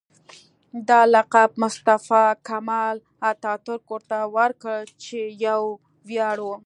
دا لقب مصطفی کمال اتاترک ورته ورکړ چې یو ویاړ و.